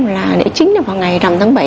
là chính là vào ngày rằm tháng bảy